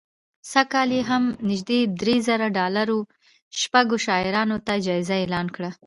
سږ کال یې هم نژدې درې زره ډالره شپږو شاعرانو ته جایزه اعلان کړه